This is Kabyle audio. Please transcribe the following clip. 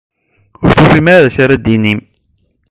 Ur tufim ara d acu ara d-tinim.